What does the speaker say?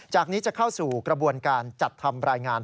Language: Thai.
จากนี้จะเข้าสู่กระบวนการจัดทำรายงาน